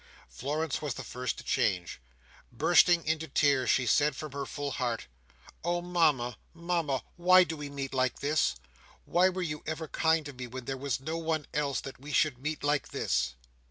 Florence was the first to change. Bursting into tears, she said from her full heart, "Oh, Mama, Mama! why do we meet like this? Why were you ever kind to me when there was no one else, that we should meet like this?"